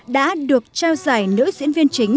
đã được trao giải nữ diễn viên chính